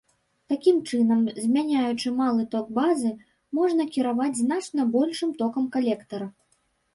Такім чынам, змяняючы малы ток базы, можна кіраваць значна большым токам калектара.